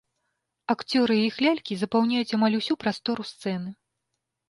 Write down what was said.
Акцёры і іх лялькі запаўняюць амаль усю прастору сцэны.